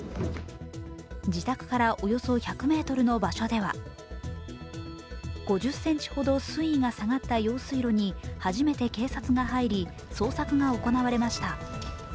自宅からおよそ１００ｍの場所では５０ｃｍほど水位が下がった用水路に始めて警察が入り、捜索が行われました。